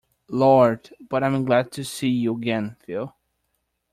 Lord, but I'm glad to see you again, Phil.